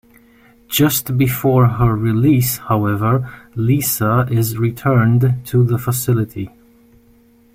Just before her release, however, Lisa is returned to the facility.